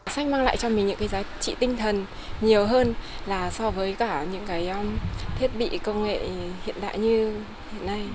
sách mang lại cho mình những cái giá trị tinh thần nhiều hơn là so với cả những cái thiết bị công nghệ hiện đại như hiện nay